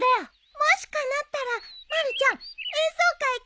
もしかなったらまるちゃん演奏会来てね。